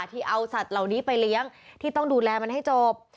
ที่เอาสัตว์เหล่านี้ไปเลี้ยงที่ต้องดูแลมันให้จบ